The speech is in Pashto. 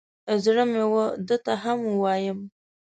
زړه مې و ده ته هم ووایم.